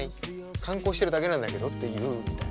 観光してるだけなんだけどって言うみたいな。